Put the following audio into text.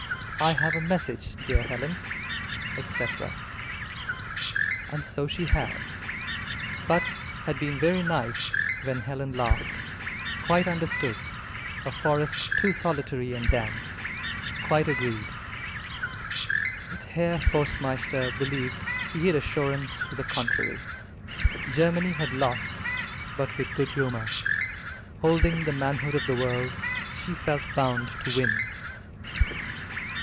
"I have a message, dear Helen," etc., and so she had, but had been very nice when Helen laughed; quite understood a forest too solitary and damp quite agreed, but Herr Forstmeister believed he had assurance to the contrary. Germany had lost, but with good humour; holding the manhood of the world, she felt bound to win.